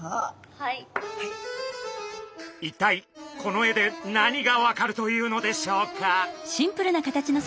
一体この絵で何が分かるというのでしょうか？